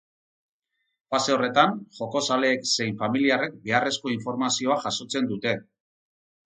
Fase horretan, jokozaleek zein familiarrek beharrezko informazioa jasotzen dute.